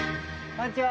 ・こんにちは